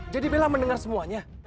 jadi bella mendengar semuanya